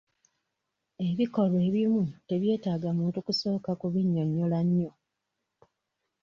Ebikolwa ebimu tebyetaaga muntu kusooka kubinyonnyola nnyo.